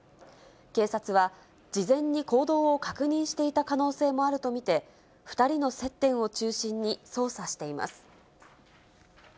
警察は、事前に行動を確認していた可能性もあると見て、２人の接点を中心に捜査しています。